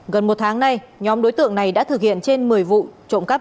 gần một tháng nay nhóm đối tượng này đã thực hiện trên một mươi vụ trộm cắp